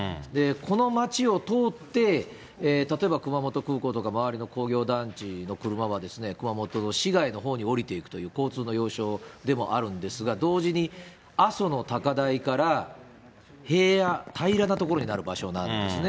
この町を通って、例えば熊本空港とか周りの工業団地の車は、熊本の市外のほうに下りていくという交通の要衝でもあるんですが、同時に阿蘇の高台から平野、平らな所になる場所なんですね。